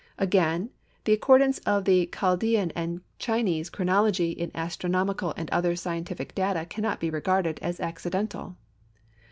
Again, the accordance of the Chaldean and Chinese chronology in astronomical and other scientific data cannot be regarded as accidental.